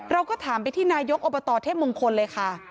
เราก็ถามไปที่นายกอบตเทพมงคลเลยค่ะ